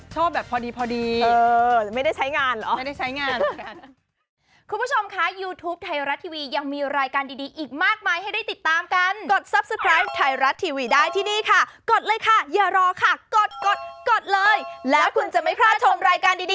ชอบแบบพอดีไม่ได้ใช้งานเหรอ